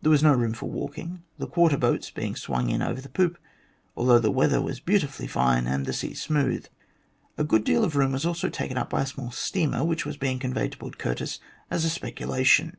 There was no room for walking,, the quarter boats being swung in over the poop, although the weather was beautifully fine and the sea smooth. A good, deal of room was also taken up by a small steamer, which was being conveyed to Port Curtis as a speculation.